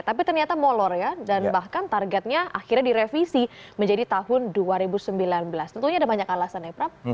tapi ternyata molor ya dan bahkan targetnya akhirnya direvisi menjadi tahun dua ribu sembilan belas tentunya ada banyak alasan ya prab